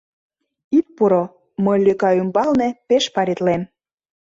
Ит пуро: мый лӧка ӱмбалне пеш «паритлем».